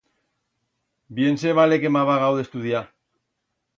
Bien se vale que m'ha vagau d'estudiar.